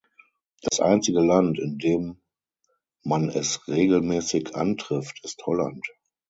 Das einzige Land, in dem man es regelmäßig antrifft, ist Holland.